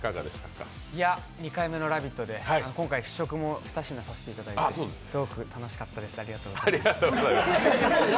２回目の「ラヴィット！」で今回試食も２品させていただいてすごく楽しかったですありがとうございました。